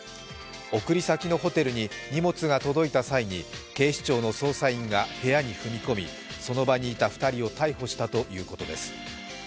送り先のホテルに荷物が届いた際に、警視庁の捜査員が部屋に踏み込み、その場にいた２人を逮捕したということです。